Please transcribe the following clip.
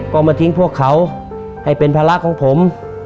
ก็มาทิ้งพวกเขาให้เป็นภาระของผม